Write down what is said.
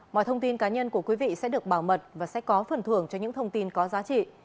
mọi thông tin cá nhân của quý vị sẽ được bảo mật và sẽ có phần thưởng cho những thông tin có giá trị